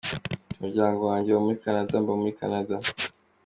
Ati “Umuryango wanjye uba muri Canada, mba muri Canada.